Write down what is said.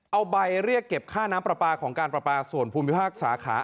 เอาใบเรียกเก็บค่าน้ำปลาปลาของการประปาส่วนภูมิภาคสาขา